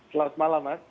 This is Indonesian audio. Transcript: selamat malam mas